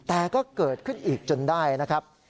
แต่ก็เกิดขึ้นอีกจนได้นะครับ